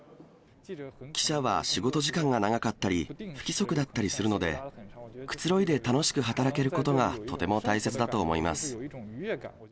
記者は仕事時間が長かったり、不規則だったりするので、くつろいで楽しく働けることがとても大切だと思います。